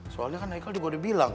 soalnya kan raikal juga udah bilang